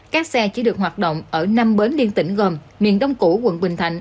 các xe chỉ được hoạt động ở năm bến liên tỉnh gồm miền đông củ quận bình thạnh